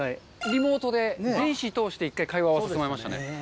リモートで通して一回会話はさせてもらいましたね。